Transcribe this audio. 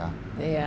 tarif hidup mereka